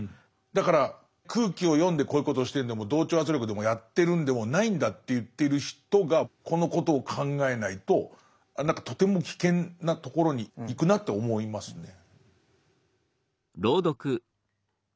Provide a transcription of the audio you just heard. だから空気を読んでこういうことをしてるのでも同調圧力でもやってるんでもないんだと言ってる人がこのことを考えないとああ何かとても危険なところに行くなって思いますね。